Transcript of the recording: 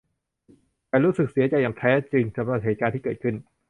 ฉันรู้สึกเสียใจอย่างแท้จริงสำหรับเหตุการณ์ที่เกิดขึ้น